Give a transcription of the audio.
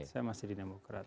saya masih di demokrat